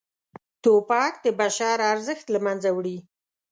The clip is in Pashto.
توپک د بشر ارزښت له منځه وړي.